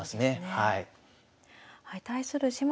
はい。